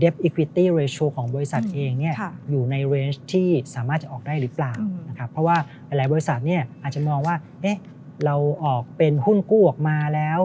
เพราะว่าหลายบริษัทเนี่ยอาจจะมองว่าเราออกเป็นหุ้นกู้ออกมาแล้ว